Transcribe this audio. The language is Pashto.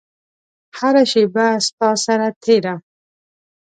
هره شیبه ستا سره تیره